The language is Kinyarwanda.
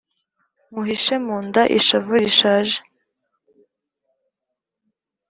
nk' uhishe mu nda ishavu rishaje